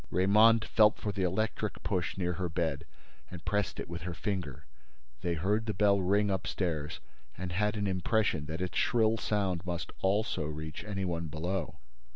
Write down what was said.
Raymonde felt for the electric push near her bed and pressed it with her finger. They heard the bell ring upstairs and had an impression that its shrill sound must also reach any one below.